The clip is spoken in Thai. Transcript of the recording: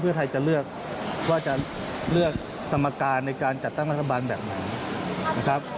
เพื่อไทยจะเลือกว่าจะเลือกสมการในการจัดตั้งรัฐบาลแบบไหนนะครับ